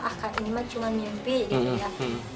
ah kali ini mah cuma mimpi gitu ya